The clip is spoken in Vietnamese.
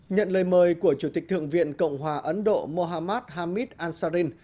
nhận lời mời của chủ tịch thượng viện cộng hòa ấn độ mohammad hamid ansarin